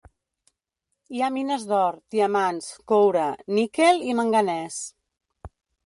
Hi ha mines d'or, diamants, coure, níquel i manganès.